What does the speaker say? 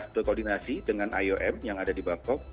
kita telah berkoordinasi dengan iom yang ada di kbr bangkok